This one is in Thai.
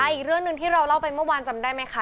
อีกเรื่องหนึ่งที่เราเล่าไปเมื่อวานจำได้ไหมคะ